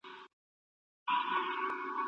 سياستپوهنه د سياسي قدرت د زياتولو مبارزه هم ده.